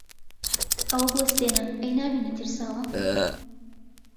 ئەوە بوەستێنە! ئەی نابینی ترساوە؟